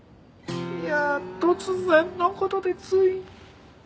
いやあ突然の事でつい。